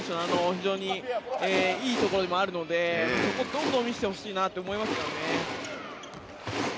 非常にいいところでもあるのでそこをどんどん見せてほしいなと思いますよね。